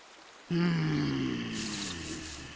うん。